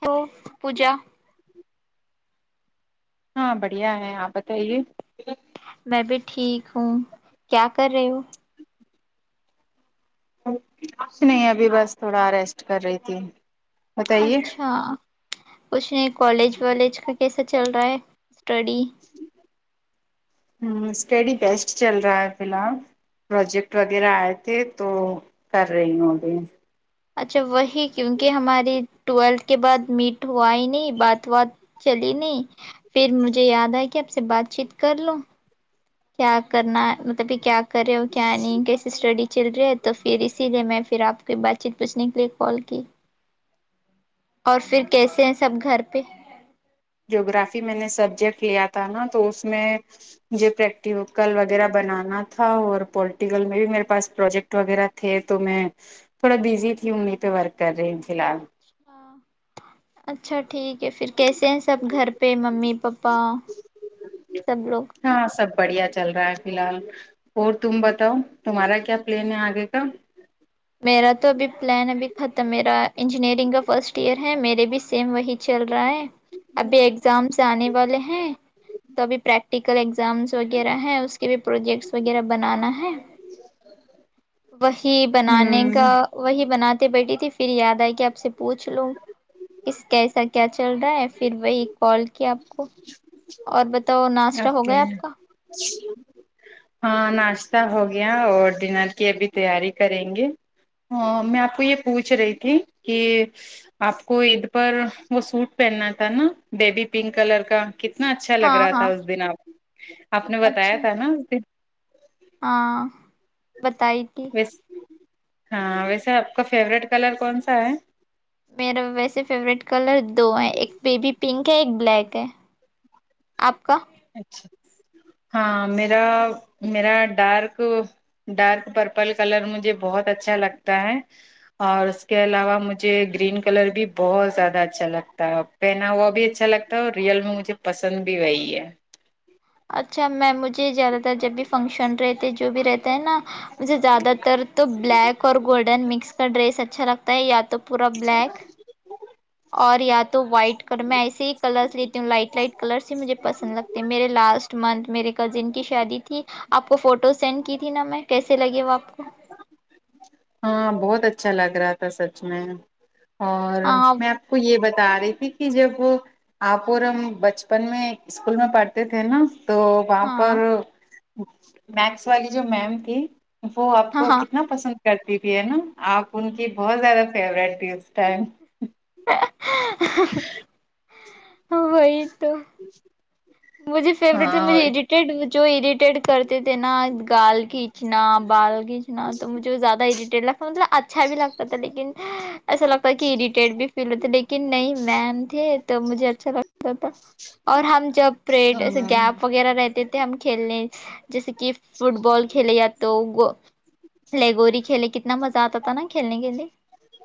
ہو پوجا ہاں بڑھیا ہے آپ بتائیے میں بھی ٹھیک ہوں کیا کر رہے ہو کچھ نہیں ابھی بس تھوڑا ریسٹ کر رہی تھی بتائیے اچھا کچھ نہیں کالج والالج کا کیسا چل رہا ہے ڑی ہ اسٹڈی بیسٹ چل رہا ہے فی الحال پروجیکٹ وغیرہ آئے تھے تو کر رہی ہوں ابھی اچھا وہی کیونکہ ہماری ٹویلتھ کے بعد میٹ ہوا ہی نہیں بات بات چلی نہیں پھر مجھے یاد آئے کہ آپ سے بات چیت کر لو کیا کرنا مطلب کہ کیا کرے او کیا کی اسٹڈی چل رہے ہے تو پھر اسی لیے میں پھر آپ کی بات چیت پوچھنے کے لیے کال کی اور پھر کیسے ہیں سب گھر پہ جگررافی میں نے سبجیکٹ لیا تھا نا تو اس میں مجھے پریکٹیکل وغیرہ بنانا تھا اور پولٹیکل میں بھی میرے پاس پروجیکٹ وغیرہ تھے تو میں تھوڑا بزی تھی ایں پہ ورک کر رہی ہوں فی الحال اچھا اچھا ٹھیک ہے پھر کیسے ہیں سب گھر پہ ممی پپا سب لوگ ہاں سب بڑھیا چل رہا ہے فی الحال اور تم بتاؤ تمہارا کیا پلین ہے آگے کا میرا تو ابھی پلان ابھی ختم میرا انجینئرنگ کا فرسٹ ایئر ہے میرے بھی سیم وہی چل رہا ہے ابھی ایگزامس آنے والے ہیں تو ابھی پریکٹیکل اگزامس وغیرہ ہے اس کے بھی پروجیکٹس وغیرہ بنانا ہے وہی بنانے کا ہوں وہی بنات بیٹھی تھی پھر یاد آئے کہ آپ سے پوچھ لو ک کیسا کیا چل رہا ہے پھر وہی کال کیا آپ کو اور بتاؤ ناس ہو اوکے گیا آپ کا ہاں ناشتہ ہو گیا اور ڈنر کی ابھی تیاری کریں گے ہاں میں آپ کو یہ پوچھ رہی تھی کہ آپ کو عید پر وہ سوٹ پہننا تھا نا بیبی پنک کلر کا کتنا اچھا لگ ہاں رہا ہاں تھا اس دن آپ آپ نے بتایا اچھا تھا نا اس دن ہاں بتائی تھی ویس ہاں ویسے آپ کا فیوریٹ کلر کون سا ہے میرا ویسے فیوروریٹ کلر دو ہیں ایک بیبی پنک ہے ایک بلیک ہے آپ کا اچھا ہاں میرا میرا ڈارک ڈارک پرپل کلر مجھے بہت اچھا لگتا ہے اور اس کے علاوہ مجھے گرین کلر بھی بہت زیادہ اچھا لگتا ہے پہنا ہوا بھی اچھا لگتا ہے اور ریل میں مجھے م پسند بھی وہی ہے اچھا میم مجھے زیادہ تر جب بھی فنکشن رہتے جو بھی رہتا ہے نا مجھے زیادہ تر تو بلیک اور گولڈن مکس کا ڈریس اچھا لگتا ہے یا تو پورا بلیک [inaudible] اور یا تو وائٹ کلر میں ایسے ہی کلرس لیتی ہوں لائٹ لائٹ کلرس ہی مجھے پسند لگتے میرے لاسٹ منتھ میرے کزن کی شادی تھی آپ کو فوٹو سینڈ کی تھی نا میں کیسے لگے وہ آپ کو ہاں بہت اچھا لگ رہا تھا سچ میں اور ہاں میں آپ کو یہ بتا تعریفی کی جب وہ آپ اور ہم بچپن میں اسکول میں پڑھتے تھے نا تو وہاں ہاں پر متس والی جو میم تھی وہ آپ ہاں کو ہاں کتنا پسند کرتی تھی ہے نا آپ ان کی بہت زیادہ فیورٹ تھی اس ٹائم [inaudible] ہ وہئی ک دو مجھے ہاں فیورٹ مجھے اریٹیڈ جو اریٹیڈ کرتے تھے نا گال کھینچنا بال کھینچنا تو مجھے زیادہ اریٹیڈ لگتا مطلب اچھا بھی لگتا تھا لیکن ایسا لگتا کہ اریٹیڈ بھی فیل ہوتے لیکن نہیں مم تھے تو مجھے اچھا لگتا تھا اور ہم جب پریڈے ہاں گیپ وغیرہ رہتے ہم کھیلنے جیسے کہ فٹ بال کھیلے ا تو لیگوری کھیلے کتنا مزہ آتا تھا نا کھیلنے کے لیے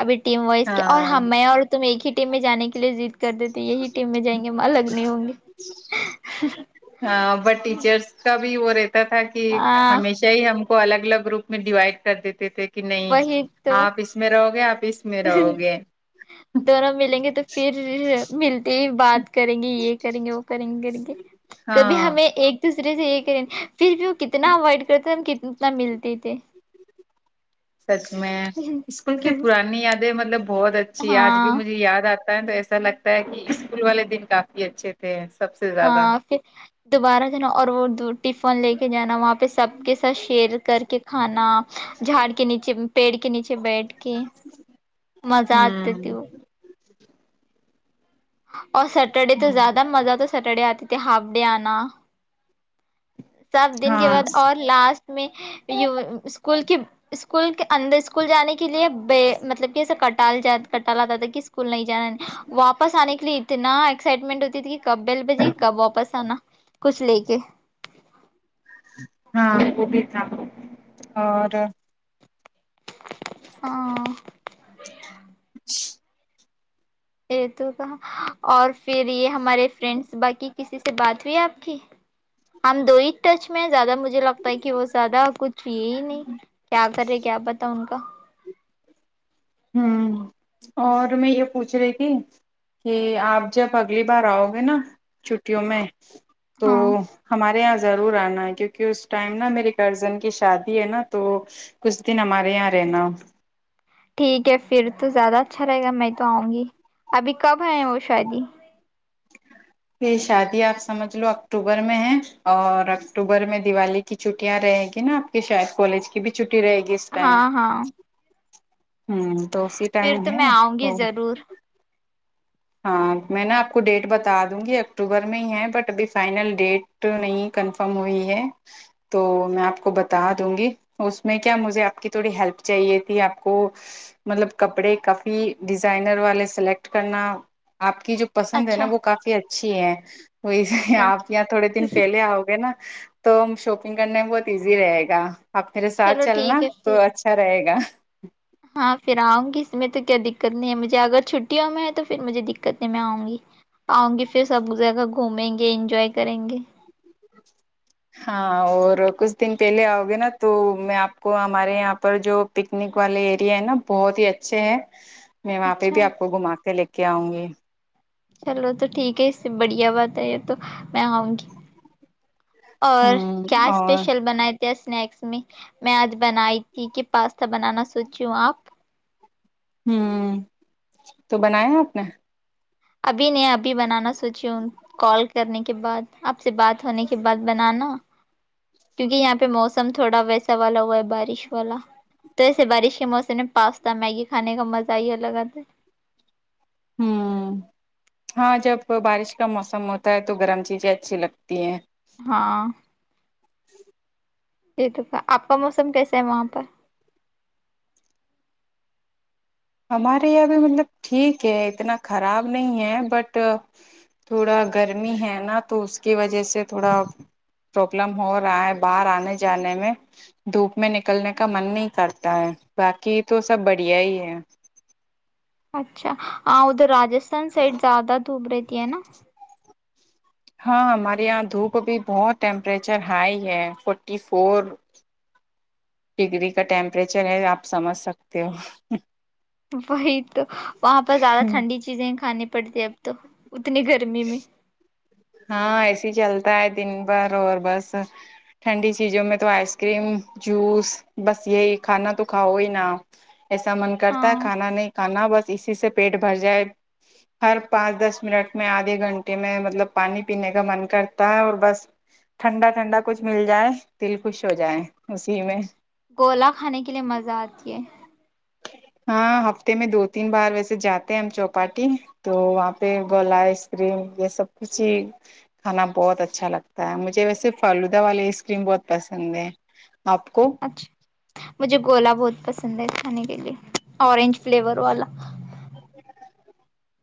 ابھی ٹیم وائز کے اور ہاں ہم میں اور تم ایک ہی ٹیم میں جانے کے لیے ضد کر دیتے یہی ٹیم میں جائیں گے ماں لگ نہیں ہوں گے [inaudible] ہاں ب ٹیچرس کا بھی ہو رہے تھا کہ ہاں ہمیشہ ہی ہم کو الگ الگ روپ میں ڈیوائڈ کر دیتے تھے کہ نہیں وہی تو آپ اس میں رہو گے آپ اس میں رہو گے دونوں ملیں گے تو پھر ملتے ہی بعد کریں گے یہ کریں گے وہ کریں گے کریں گے کبھی ہاں ہمیں ایک دوسرے سے یہ کریں گے پھر بھی وہ کتنا اوائڈ کرتے تھے ہم کتنا ملتے تھے سچ میں اسکول کی پرانی یادیں مطلب بہت اچھی ہے آج بھی ہاں مجھے یاد آتا تو ایسا لگتا ہے کہ اسکول والے دن کافی اچھے تھے سب سے ا زیادہ پھر دوبارہ جو نا اور وہ تو ٹفن لے کے جانا وہاں پ سب کے ساتھ شیئر کر کے کھانا جھاڑ کے نیچے پیڑ کے نیچے بیٹھ کے مزہ آتی ہوں تھی وہ [unintelligible] اور سٹرڈے تو ہوں زیادہ مزہ تو سٹرڈے آتی ا ہاف ڈ آنا سب دن کے ہاں بعد اور لاسٹ میں اسکول کی کوئیک اندر اسکول جانے کے لیے بے مطلب کہ ایسا کٹال ج کٹال آتا تھا کہ اسکول نہیں جانا واپس آنے کے لیے اتنا ایکسائٹمنٹ ہوتی تھی کہ کب بیل بجی کب واپس آنا کچھ لے کے ہاں وہ بھی تھا اور ہاں [unintelligible] یہ تو کہ اور پھر یہ ہمارے فرینڈس باقی کسی سے سے بات ہوئی آپ کی ہم دو ہی ٹچ میں ہیں زیادہ مجھے لگتا ہے کہ وہ زیادہ کچھ یہ ہی نہیں کیا کر رہے کیا پتا ان کا ہوں اور میں یہ پوچھ رہی تھی کہ آپ جب اگلی بار آؤ گے نا چھٹیوں میں تو ہاں ہمارے یہاں ضرور آنا ہے کیونکہ اس ٹائم نا میے کرزن کی شادی ہے نا تو کچھ دن ہمارے یہاں رہنا ٹھیک ہے پھر تو زیادہ اچھا رہے گا میں تو آؤں گی ابھی کب ہے وہ شاادی یہ شادی آپ سمجھ لو اکتوبر میں ہے اور اکتوبر میں دیوالی کی چھٹیاں رہیں گی نا آپ کے شاید کالج کی بھی چھٹی چھٹی رہے گی اس ٹائم ہاں ہاں ہوں تو اسی ٹائم پھر تو ہے میں آؤں تو گی ضرور ہاں میں نا آپ کو ڈیٹ بتا دوں گی اکتوبر میں ہی ہے بٹ ابھی فائنل ڈیٹ نہیں کنفرم ہوئی ہے تو میں آپ کو بتا دوں گی اس میں کیا مجھے آپ کی تھوڑی ہیلپ چاہیے تھی آپ کو مطلب کپڑے کافی ڈیزائنر والے سلیکٹ کرنا آپ کی جو پسند ہے نا اچھا وہ کافی اچھا اچھے وہی اچھا آپ یہاں تھوڑے دن پہلے آؤ گے نا تو شاپنگ کرنے میں بہت ایزی رہے گا اپ میرے ساتھ چلو چلنا ٹھیک ہے پھر تو اچھا رہے گا ہاں پھر آؤں گی اس میں تو کیا دقت نہیں ہے مجھے اگر چھٹیوں میں ہے تو پھر مجھے دقت نہیں میں آؤں گی آؤں گی پھر سب جگہ گھومیں گے انجوائے کریں گے ہاں اور کچھ دن پہلے آؤ گے نا تو میں آپ کو ہمارے یہاں پر جو پکنک والے ایریا ہے نا بہت ہی اچھے ہیں میں وہاں پہ اچھا بھی آپ کو گھما کے لے کے کیا ہوں گے چلو تو ٹھیک ہے اس سے بڑھیا بات ہے یہ تو میں آؤں گی اور ہوں کیا اور اسپیشل بنائے اسنیکس میں میں آج بنائی تھی کہ پاستا بنانا سوچی ہوں آپ ہوں تو بنایا آپ نے ابھی نہیں ابھی بنانا س سوچی کال کرنے کے بعد آپ سے بات ہونے کے بعد بنانا کیونکہ یہاں پہ موسم تھوڑا ویسا والا ہوا ہے بارش والا تو ایسے بارش کے موسم میں پاستا میگی کھانے کا مزہ ہی لگ آتا ہے ہوں ہاں جب بارش کا موسم ہوتا ہے تو گرم چیزیں اچھی لگتی ہیں ہاں یہ تو کا آپ کا موسم کیسے ہے وہاں پر ہمارے یہاں بھی مطلب ٹھیک ہے اتنا خراب نہیں ہے بٹ تھوڑا گرمی ہے نا تو اس کی وجہ سے تھوڑا پرابلم ہو رہا ہے باہر آنے جانے میں دھوپ میں نکلنے کا من نہیں کرتا ہے باقی تو سب بڑھیا ہی ہے اچھا ہاں ادھر راجس سن سٹ زیادہ دھوپ رہتی ہے نا ہاں ہمارے یہاں دھوپ بھی بہت ٹیمپریچر ہائی ہے فورٹی فور ڈگری کا ٹیمپریچر ہے آپ سمجھ سکتے ہو وہی تو وہاں پر زیادہ ٹھنڈی چیزیں ہیں کھانے پہ پڑتی اب تو اتنی گرمی میں ہاں ایسے ہی چلتا ہے دن بھر اور بس ٹھنڈی چیزوں میں تو آئس کریم جوس بس یہی کھانا تو کھاؤ ہی نا ایسا من کرتا ہاں ہے کھانا نہیں کھانا بس اسی سے پیٹ بھر جائے ہر پانچ دس منٹ میں آدھے گھنٹے میں مطلب پانی پینے کا من کرتا ہے اور بس ٹھنڈا ٹھنڈا کچھ مل جائے دل خوش ہو جائے اسی میں گولا کھانے کے لیے مزہ آتی ہے ہاں ہفتے میں دو تین بار ویسے جاتے ہیں ہم چوپاٹی تو آپ پ اچھا گولا آئس کریم یہ سب کچ کھانا بہت اچھا لگتا ہے مجھے ویسے فالودہ والی آئس کریم بہت پسند ہے آپ کو اچھا مجھے گولا بہت پسند ہے کھانے کے لیے اورنج فلیور والا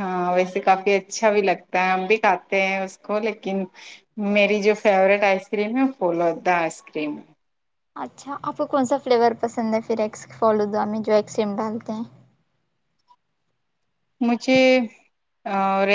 ہاں ویسے کافی اچھا بھی لگتا ہے ہم بھی کھاتے ہیں اس کو لیکن میری جو فیوریٹ آئس کریم ہے فولودا آئس کریم ہے اچھا آپ کو کون سا فلیور پسند ہے پھر ایس فالودعا میں جو ایس کریم ڈالتے ہیں مجھے [inaudible]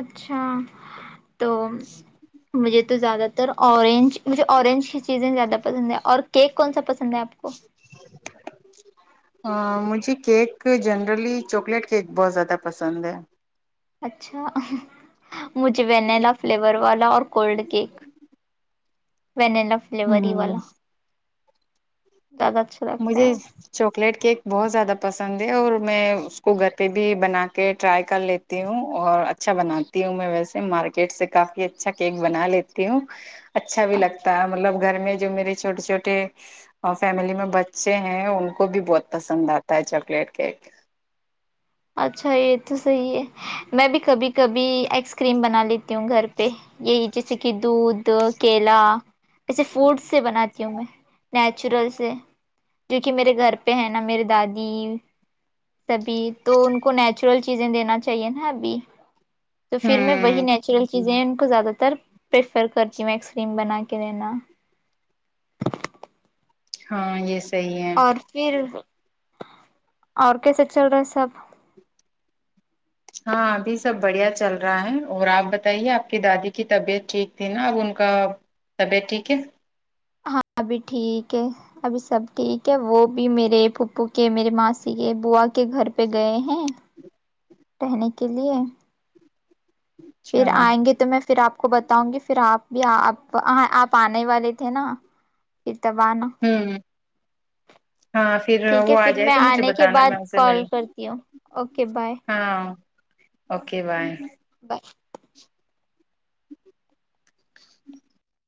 اچھا تو مجھے تو زیادہ ر آرنجے آنج ہی چیزیں زیادہ پسند ہیں اور ک کون سا پس پنجاب کو ہاں مجھے کیک جنرلی چاکلیٹ کیک بہت زیادہ پسند ہے اچھا مجھے وینیلا فلیور والا اور کولڈ کیک وینلا فلیور ہی ہ والا زیادہ اچھا لگتا ہے مجھے وہ چاکلیٹ کیک بہت زیادہ پسند ہے اور میں اس کو گھر پہ بھی بنا کے ٹرائی کر لیتی ہوں اور اچھا بناتی ہوں میں ویسے مارکیٹ سے کافی اچھا کیک بنا لیتی ہوں اچھا بھی لگتا ہے مطلب گھر میں جو میرے چھوٹے چھٹے فیملی میں ب بچے ہیں ان کو بھی بہت پسند آتا ہے چاکلیٹ کیک اچھا یہ تو صحیح ہے میں بھی کبھی کبھی آئس کریم بنا لی ت تی ہوں گھر پہ یہی جیسے کہ دودھ تو کیلا ایسے فوڈ سے بناتی ہوں میں نیچورل سے جو کہ میرے گھر پہ ہے نا میرری دادی سبھی تو ان کو نیچ نیچرل چیزیں دینا چاہیے نا ابھی تو پھر میں وہی ہوں نیچرل چیزیں ان کو زیادہ تر پریفر کرتی ہوں آئس کریم بنا کے دینا ہاں یس اور پھر اور کیسے چل رہا ہے سب ہاں ابھی سب بڑھیا چل رہا ہے اور آپ بتائیے آپ کی دادی کی طبیعت ٹھیک تھی نا اب ان کا طبیعت ٹھیک ہے ہاں ابھی ٹھیک ہے ابھی سب ٹھیک ہے وہ بھی میرے پھپو کے میرے ماسی کے بووا کے گھر پہ گئے ہیں رہنے کے لیے پھر اچھا آئیں گے تو میں پھر آپ آ کو بتاؤں گی پھر آپ بھی آپ آپ آنے والے تھے نا پھر تب آنا ھمم ہاں پھر ٹھیک ہے وہ آ پھر جائے میں تو مجھے آنے کے بتانا بعد میں ان سے مل کال کرتی ہوں اوکے بائے ہاں اوکے بائے بائے ج